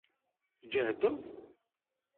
Tǧehdeḍ?